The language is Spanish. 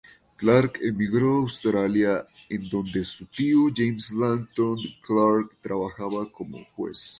Clarke emigró a Australia, en donde su tío James Langton Clarke trabajaba como juez.